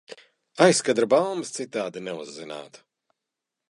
Aizkadra baumas citādi neuzzinātu.